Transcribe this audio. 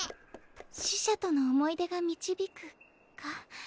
死者との思い出が導くか。